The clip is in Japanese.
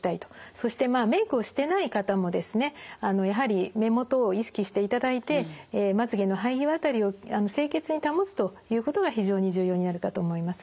そしてメイクをしてない方もですねやはり目元を意識していただいてということが非常に重要になるかと思います。